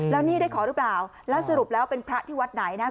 แล้วนี่ได้ขอหรือเปล่าแล้วสรุปแล้วเป็นพระที่วัดไหนนะ